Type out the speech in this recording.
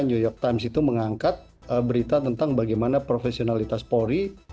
new york times itu mengangkat berita tentang bagaimana profesionalitas polri